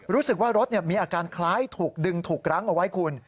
รู้สึกว่ารถมีอาการคล้ายถูกดึงถูกรั้งเอาไว้คุณ